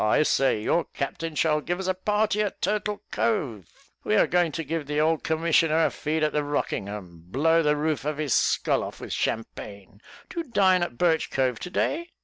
I say, your captain shall give us a party at Turtle Cove. We are going to give the old commissioner a feed at the Rockingham blow the roof of his skull off with champagne do you dine at Birch Cove to day?